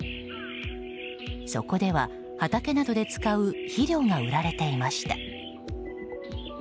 そこでは、畑などで使う肥料が売られていました。